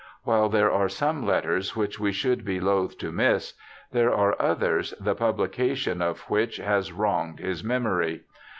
While there are some letters which we should be loath to miss, there are others the publication of which has wronged his memory.